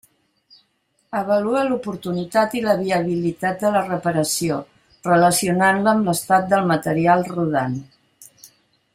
Avalua l'oportunitat i la viabilitat de la reparació, relacionant-la amb l'estat del material rodant.